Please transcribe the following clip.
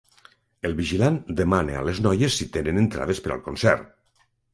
El vigilant demana a les noies si tenen entrades per al concert.